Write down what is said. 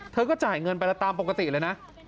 เธอก็จ่ายเงินไปแล้วตามปกติเลยนะ